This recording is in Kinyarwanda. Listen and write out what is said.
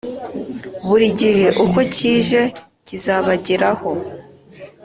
Buri gihe uko kije kizabageraho,